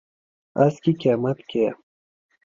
اس کی قیمت کیا ہے؟